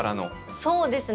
そうですね。